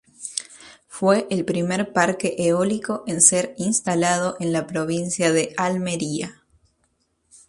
Fue el primer parque eólico en ser instalado en la provincia de Almería.